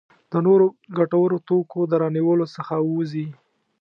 د نورو ګټورو توکو د رانیولو څخه ووځي.